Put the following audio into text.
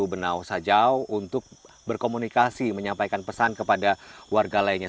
benau sajau untuk berkomunikasi menyampaikan pesan kepada warga lainnya